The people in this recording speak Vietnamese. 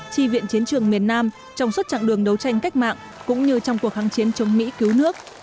chi viện chiến trường miền nam trong suốt chặng đường đấu tranh cách mạng cũng như trong cuộc kháng chiến chống mỹ cứu nước